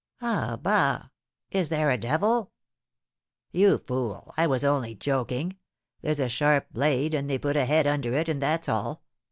"Ah, bah! Is there a devil?" "You fool, I was only joking. There's a sharp blade, and they put a head under it, and that's all.